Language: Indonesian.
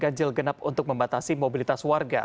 ganjil genap untuk membatasi mobilitas warga